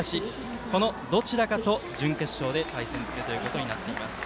このどちらかと準決勝で対戦するということになっています。